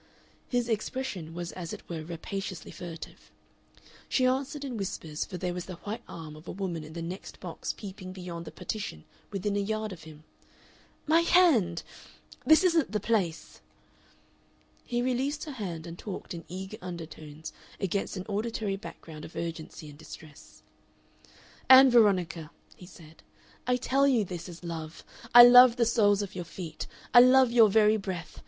His expression was as it were rapaciously furtive. She answered in whispers, for there was the white arm of a woman in the next box peeping beyond the partition within a yard of him. "My hand! This isn't the place." He released her hand and talked in eager undertones against an auditory background of urgency and distress. "Ann Veronica," he said, "I tell you this is love. I love the soles of your feet. I love your very breath.